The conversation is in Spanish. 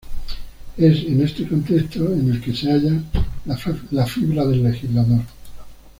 Es en este contexto en el que se halla la fibra del legislador.